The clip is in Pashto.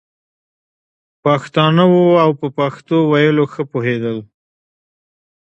پښتانه وو او په پښتو ویلو ښه پوهېدل.